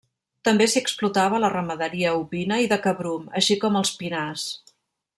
També s'hi explotava la ramaderia ovina i de cabrum, així com els pinars.